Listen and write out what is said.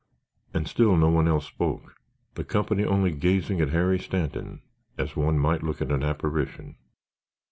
And still no one else spoke, the company only gazing at Harry Stanton, as one might look at an apparition.